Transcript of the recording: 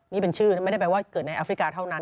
นี่เป็นชื่อไม่ได้แปลว่าเกิดในแอฟริกาเท่านั้น